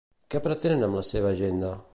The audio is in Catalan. Què pretenen amb la seva agenda?